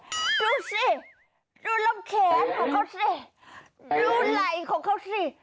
ดูสิดูลำแขนของเขาสิดูไหล่ของเขาสิ